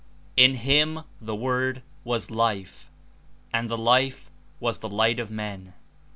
"In him (The Word) was life; and the life was the light of men.